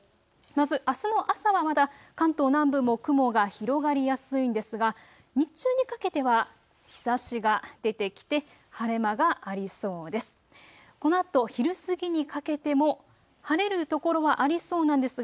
まず、あすの朝はまだ関東南部も雲が広がりやすいんですが日中にかけては日ざしが出てきて晴れ間がありそうです。